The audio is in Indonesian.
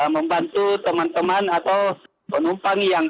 membantu teman teman atau penumpang yang